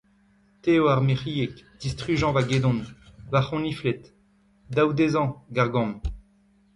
Te eo ar mic’hieg… Distrujañ va gedon, va c’honifled !… Dao dezhañ, Gargam !